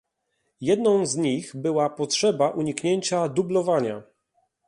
Jedną z nich była potrzeba uniknięcia dublowania